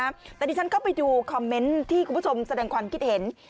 แต่ทีนี้ฉันก็ไปดูคอมเม้นท์ที่คุณผู้ชมแสดงความคิดเห็น